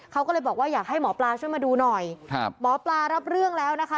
เขาก็เลยบอกว่าอยากให้หมอปลาช่วยมาดูหน่อยครับหมอปลารับเรื่องแล้วนะคะ